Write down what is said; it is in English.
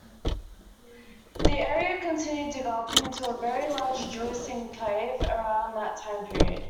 The area continued developing into a very large Jewish enclave around that time period.